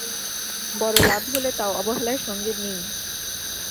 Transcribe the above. বড় লাভ হলে তাও অবহেলার সঙ্গে নিই।